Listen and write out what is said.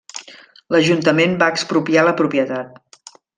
L'Ajuntament va expropiar la propietat.